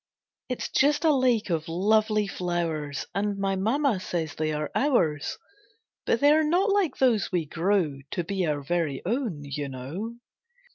It's just a lake of lovely flowers And my Mamma says they are ours; But they are not like those we grow To be our very own, you know.